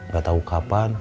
gak tau kapan